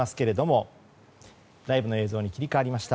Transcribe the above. ここで、ライブの映像に切り替わりました。